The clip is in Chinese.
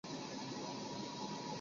伊德圣罗克人口变化图示